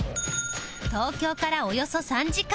東京からおよそ３時間